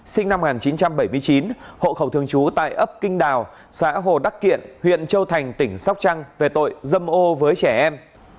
sinh năm một nghìn chín trăm bảy mươi chín hộ khẩu thường trú tại ấp kinh đào xã hồ đắc kiện huyện châu thành tỉnh sóc trăng về tội dâm ô với trẻ em